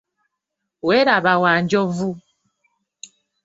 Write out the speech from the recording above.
Welaba Wanjovu.